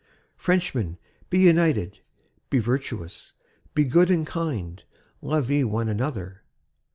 Frenchmen, be united, be virtuous, be good and kind. Love ye one another....'